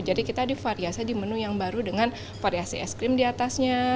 jadi kita divaryasi di menu yang baru dengan variasi es krim diatasnya